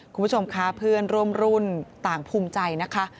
คุณผู้ชมคะเพื่อนร่วมรุ่นต่างภูมิใจนะคะ